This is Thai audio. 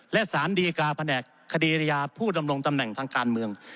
และสารดีการแผนกคดีอาญาผู้ดำรงตำแหน่งทางการเมือง